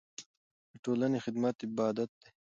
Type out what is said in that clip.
د ټولنې خدمت عبادت دی.